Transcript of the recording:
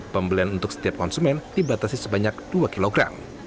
pembelian untuk setiap konsumen dibatasi sebanyak dua kilogram